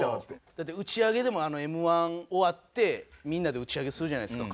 だって打ち上げでもＭ−１終わってみんなで打ち上げするじゃないですか